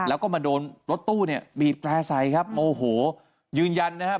แล้วก็มาโดนรถตู้เนี่ยบีบแตร่ใส่ครับโอ้โหยืนยันนะครับ